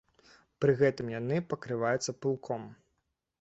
Пры гэтым яны пакрываюцца пылком.